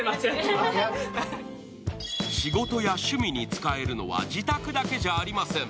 仕事や趣味に使えるのは自宅だけではありません。